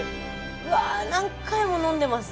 うわ何回も飲んでますね。